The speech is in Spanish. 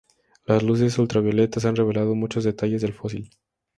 Las luces ultravioletas han revelado muchos detalles del fósil.